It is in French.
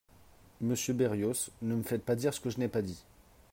Monsieur Berrios, ne me faites pas dire ce que je n’ai pas dit.